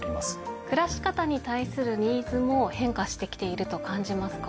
暮らし方に対するニーズも変化してきていると感じますか？